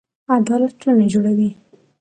عدالت ټولنه جوړوي